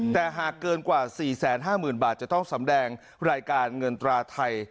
แต่หากเกินกว่า๔๕๐๐๐บาทจะต้องสำแดงรายการเงินตราไทย